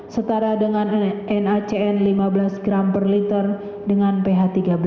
setara dengan nacn lima belas gram per liter dengan ph tiga belas